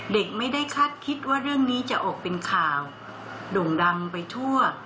เด็กไม่ได้คาดคิดว่าเรื่องนี้จะออกเป็นข่าวโด่งดังไปทั่ว